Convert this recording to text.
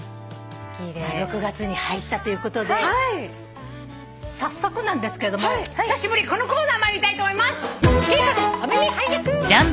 ６月に入ったということで早速なんですけども久しぶりにこのコーナー参りたいと思います。